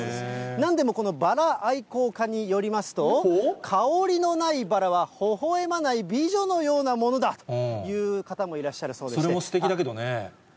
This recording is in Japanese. なんでもこのバラ愛好家によりますと、香りのないバラはほほえまない美女のようなものだという方もいらそれもすてきだけどね。